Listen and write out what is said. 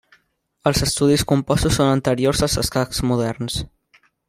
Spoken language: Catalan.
Els estudis compostos són anteriors als escacs moderns.